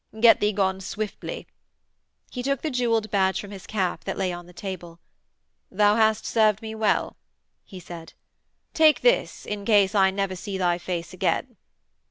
'Get thee gone swiftly....' He took the jewelled badge from his cap that lay on the table. 'Thou hast served me well,' he said; 'take this in case I never see thy face again.'